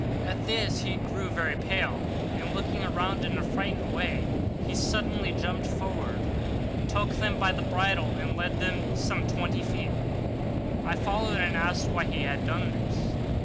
At this he grew very pale, and, looking around in a frightened way, he suddenly jumped forward, took them by the bridles and led them on some twenty feet. I followed, and asked why he had done this.